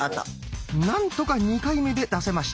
何とか２回目で出せました！